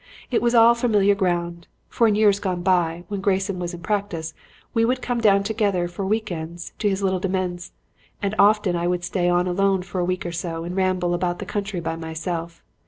It was all familiar ground; for in years gone by, when Grayson was in practice, we would come down together for weekends to his little demesne, and often I would stay on alone for a week or so and ramble about the country by myself.